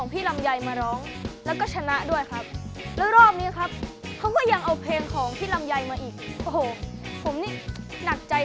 ที่เองไม่มีใครมาลากไป